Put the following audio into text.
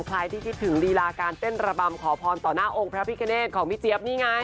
ใครที่คิดถึงลีลาการเต้นระบำขอพรต่อหน้าองค์พระพิกเนตของพี่เจี๊ยบนี่ไง